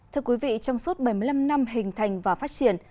thưa quý vị trong suốt bảy mươi năm năm hình thành và phát triển